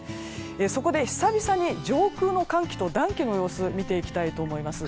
そこで久々に上空の寒気と暖気の様子見ていきたいと思います。